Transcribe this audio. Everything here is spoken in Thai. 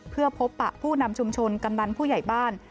เพื่อพบปะผู้นำชุมชนกำนันผู้ใหญ่บ้าน